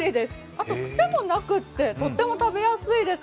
あと癖もなくて、とっても食べやすいです。